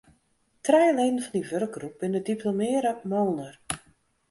Trije leden fan dy wurkgroep binne diplomearre moolner.